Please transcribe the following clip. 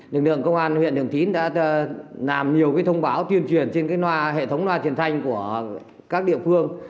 đường đường công an huyện đường thín đã làm nhiều thông báo tuyên truyền trên hệ thống loa truyền thanh của các địa phương